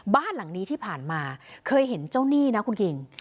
บ้านหลังนี้ที่ผ่านมาเคยเห็นเจ้าหนี้นะคุณคิง